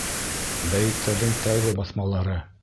Бәйеттәрҙең тәүге баҫмалары